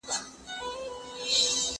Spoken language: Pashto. زر له مسو څخه باسې جادو ګر یې